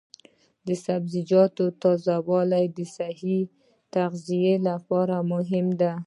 د سبزیجاتو تازه والي د صحي تغذیې لپاره مهمه ده.